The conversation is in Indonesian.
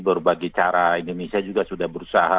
berbagai cara indonesia juga sudah berusaha